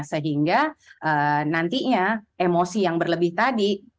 sehingga nantinya emosi yang berlebih tadi